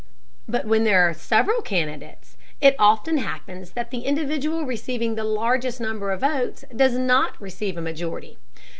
But when there are several candidates, it often happens that the individual receiving the largest number of votes does not receive a majority.